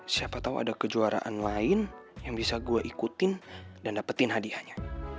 siapa tahu ada kejuaraan lain yang bisa gue ikutin dan dapetin hadiahnya